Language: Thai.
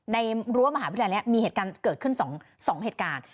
รั้วมหาวิทยาลัยนี้มีเหตุการณ์เกิดขึ้น๒เหตุการณ์